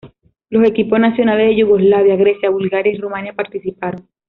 Los equipos nacionales de Yugoslavia, Grecia, Bulgaria y Rumania participaron.